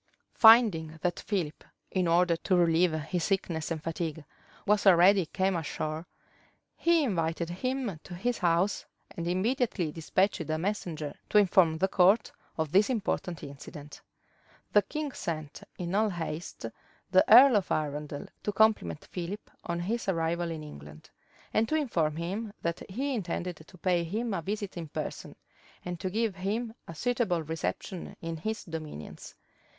Finding that Philip, in order to relieve his sickness and fatigue, was already come ashore, he invited him to his house; and immediately despatched a messenger to inform the court of this important incident. The king sent in all haste the earl of Arundel to compliment Philip on his arrival in England, and to inform him that he intended to pay him a visit in person, and to give him a suitable reception in his dominions.